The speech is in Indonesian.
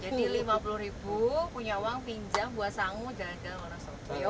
jadi lima puluh ribu punya uang pinjam buat sangu jalan jalan wonosobo